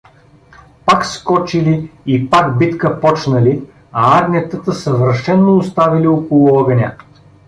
Пак скочили и пак битка почнали, а агнетата съвършено оставили около огъня.